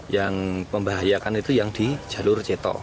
yang membahayakan itu yang di jalur ceto